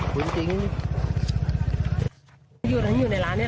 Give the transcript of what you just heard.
พวกมันต้องกินกันพี่